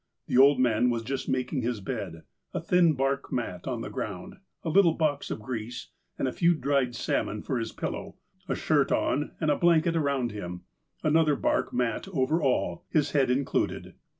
The old man was just mak ing his bed (a thin bark mat on the ground, a little box of grease, and a few dry salmon for his pillow — a shirt on, and a blanket around him — another bark mat over all, his head in cluded).